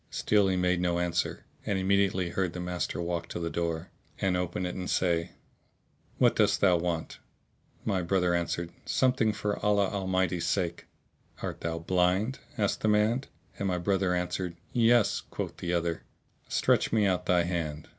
Still he made no answer and immediately heard the master walk to the door and open it and say, "What dost thou want?" My brother answered "Something for Allah Almighty's sake."[FN#650] "Art thou blind?" asked the man, and my brother answered "Yes." Quoth the other, "Stretch me out thy hand."